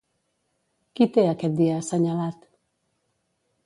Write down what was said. Qui té aquest dia assenyalat?